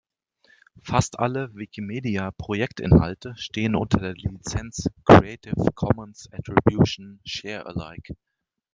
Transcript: Fast alle Wikimedia-Projektinhalte stehen unter der Lizenz "Creative Commons Attribution Share Alike".